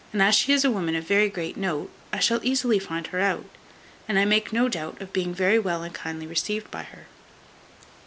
As she is a woman of very great note, I shall easily find her out, and I make no doubt of being very well and kindly received by her."